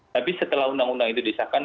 tapi setelah undang undang itu disahkan